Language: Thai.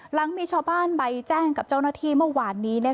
หลังมีชาวบ้านใบแจ้งกับเจ้าหน้าที่เมื่อวานนี้